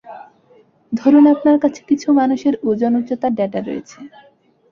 ধরুন আপনার কাছে কিছু মানুষের ওজন-উচ্চতার ডেটা রয়েছে।